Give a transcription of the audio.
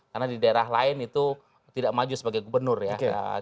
karena di daerah lain itu tidak maju sebagai gubernur ya